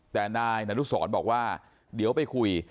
แต่นายนุสรบอกว่าเดี๋ยวไปคุย